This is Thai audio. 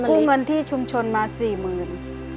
ไปกู้เงินที่ชุมชนมา๔๐๐๐๐บาท